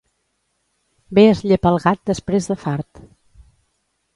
Bé es llepa el gat després de fart.